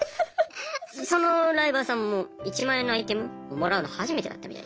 そのライバーさんも１万円のアイテムをもらうの初めてだったみたいで。